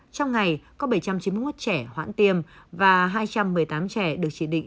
trong ngày có bảy trăm chín mươi một trẻ hoãn tiêm và hai trăm một mươi tám trẻ được chỉ định